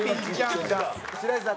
白石さん